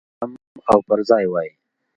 سم او پرځای وای.